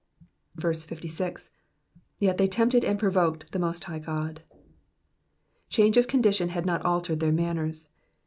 66. "•''Vet they tempted and pracoked the moat hi^h Ood.'''* Change of condition had not altered their manners.